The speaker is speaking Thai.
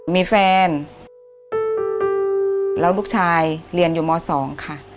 มีแฟนแล้วลูกชายเรียนอยู่ม๒ค่ะ